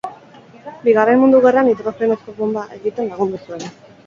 Bigarren Mundu Gerran hidrogenozko bonba egiten lagundu zuen.